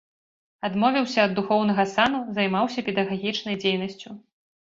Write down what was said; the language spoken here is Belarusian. Адмовіўся ад духоўнага сану, займаўся педагагічнай дзейнасцю.